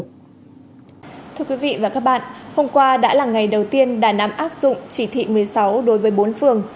thưa quý vị và các bạn hôm qua đã là ngày đầu tiên đà nẵng áp dụng chỉ thị một mươi sáu đối với bốn phường